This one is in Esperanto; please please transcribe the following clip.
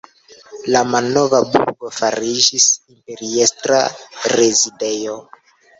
La malnova burgo fariĝis imperiestra rezidejo.